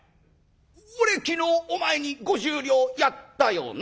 俺昨日お前に５０両やったよな？